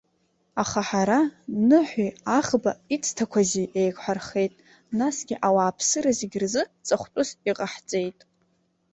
Аха ҳара, Ныҳәи аӷба ицҭақәази еиқәҳархеит, насгьы ауааԥсыра зегьы рзы ҵатәхәыс иҟаҳҵеит.